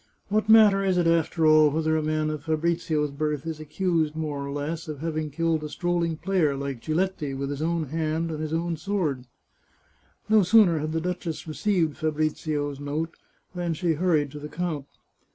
What matter is it, after all, whether a man of Fabrizio's birth is accused, more or less, of having killed a strolling player like Giletti with his own hand and his own sword ?" No sooner had the duchess received Fabrizio's note, than she hurried to the count.